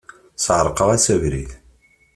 Sεerqeɣ-as abrid.